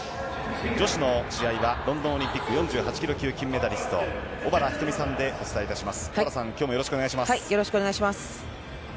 女子の解説はロンドンオリンピック金メダリスト小原日登美さんでお伝えいたします。